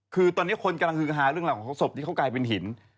คือตอนนี้คนกำลังฮือฮาเรื่องราวของศพที่เขากลายเป็นหิน